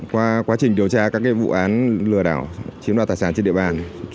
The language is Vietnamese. qua quá trình điều tra các vụ án lừa đảo chiếm đoạt tài sản trên địa bàn